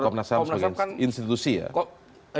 komnas ham kan institusi ya